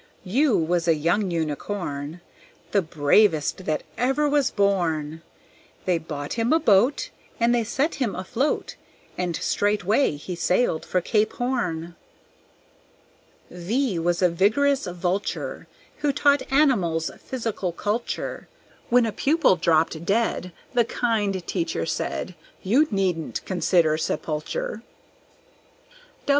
U was a young Unicorn, The bravest that ever was born. They bought him a boat And they set him afloat, And straightway he sailed for Cape Horn. V was a vigorous Vulture, Who taught animals physical culture; When a pupil dropped dead, The kind teacher said, "You needn't consider sepulture."